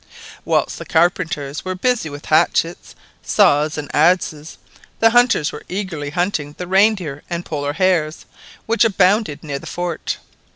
Whilst the carpenters were busy with hatchets, saws, and adzes, the hunters were eagerly hunting the reindeer and Polar hares, which abounded near the fort.